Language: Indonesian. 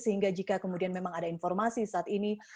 sehingga jika kemudian memang ada informasi saat ini